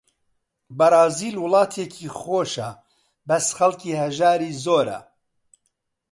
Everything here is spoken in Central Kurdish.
بەرازیل وڵاتێکی خۆشە، بەس خەڵکی هەژاری زۆرە